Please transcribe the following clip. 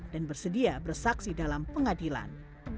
dan bersedia bersaksi dalam pengadilan